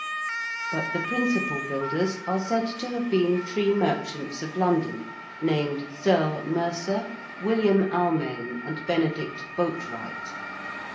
But the principal builders are said to have been three merchants of London named Serle Mercer, William Almain, and Benedict Botewrite.